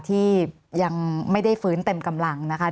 ที่ยังไม่ได้ฟื้นเต็มกำลังนะคะ